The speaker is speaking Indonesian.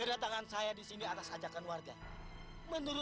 aisyah malu pak aisyah malu